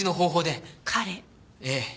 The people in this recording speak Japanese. ええ。